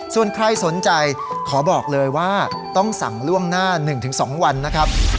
ส่วนใครสนใจขอบอกเลยว่าต้องสั่งล่วงหน้า๑๒วันนะครับ